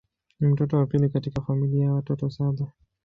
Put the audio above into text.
Ni mtoto wa pili katika familia ya watoto saba.